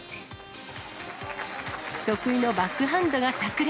得意のバックハンドがさく裂。